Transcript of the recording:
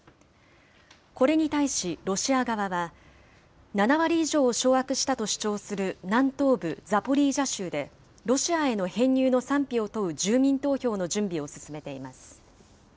これに対し、ロシア側は、７割以上を掌握したと主張する南東部ザポリージャ州で、ロシアへの編入の賛否を問う住民投票の準備を進めています。